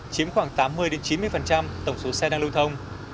chiếm khoảng tám mươi chín mươi tổng số xe đang lưu thông